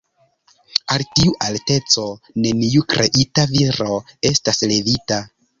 Al tiu alteco neniu kreita viro estas levita.